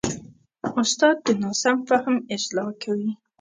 استاد د ناسم فهم اصلاح کوي.